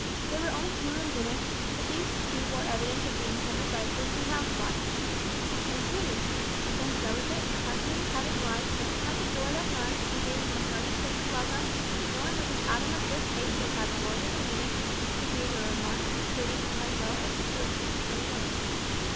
There were only two rooms in it, but these two bore evidence of being tended by a thrifty housewife; and, truly, when Sam's delicate, but partially recovered, wife met him at the door that night, and gave him a hearty kiss of welcome, no one with an atom of good taste could have avoided admitting that she was a remarkably pretty, as well as thrifty, little woman.